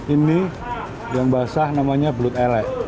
ini yang basah namanya belut elek